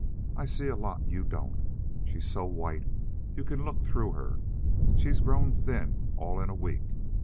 "I see a lot you don't. She's so white you can look through her. She's grown thin, all in a week.